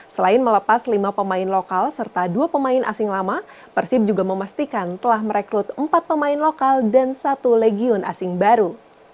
selain melepas lima pemain lokal serta dua pemain asing lama persib juga memastikan telah merekrut empat pemain lokal dan satu legion asing baru